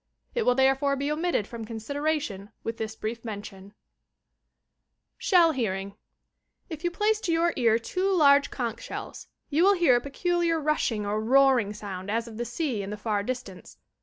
It will there fore be omitted from consideration with this brief men tion, SHELL HEARIKQ If you place to your ear two large conch shells, you will hear a peculiar rushing or roaring sound as of the sea in the far distance.